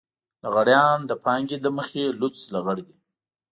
لغړيان د پانګې له مخې لوڅ لغړ دي.